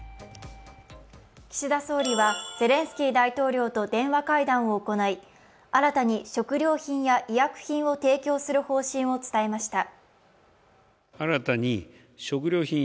岸田総理はゼレンスキー大統領と電話会談を行い新たに食料品や医薬品を提供する方針を伝えました。